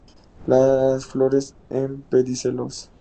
Las flores en pedicelos.